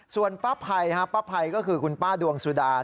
ส่วนป้าภัยป้าภัยก็คือคุณป้าดวงสุดา